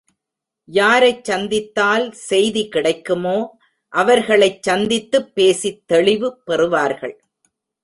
யாரைச் சந்தித்தால் செய்தி கிடைக்குமோ அவர்களைச் சந்தித்துப் பேசித் தெளிவு பெறுவார்கள்.